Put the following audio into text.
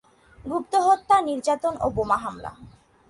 গুপ্তহত্যা, নির্যাতন ও বোমা হামলা।